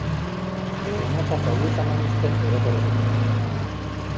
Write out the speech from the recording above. Дьоно сахалыы саҥаны истэн өрө көрө түстүлэр